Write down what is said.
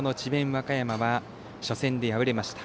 和歌山は初戦で敗れました。